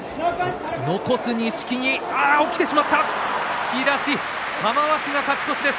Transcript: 突き出し玉鷲が勝ち越しです。